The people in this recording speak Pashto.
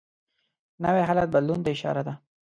نوی حالت بدلون ته اشاره ده